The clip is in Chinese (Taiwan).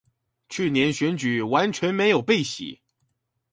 去年選舉完全沒有被洗